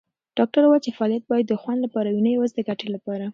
ډاکټره وویل چې فعالیت باید د خوند لپاره وي، نه یوازې د ګټې لپاره.